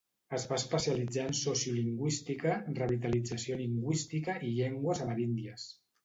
Es va especialitzar en sociolingüística, revitalització lingüística i llengües ameríndies.